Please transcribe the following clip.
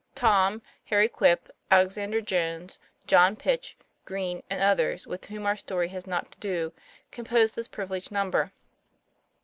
Tom, Harry Quip, Alex ander Jones, John Pitch, Green, and others with whom our story has not to do, composed this privi leged number.